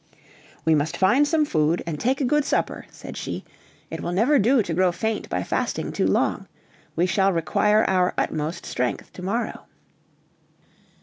"We must find some food, and take a good supper," said she, "it will never do to grow faint by fasting too long. We shall require our utmost strength to morrow."